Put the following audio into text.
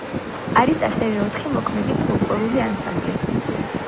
არის ასევე ოთხი მოქმედი ფოლკლორული ანსამბლი.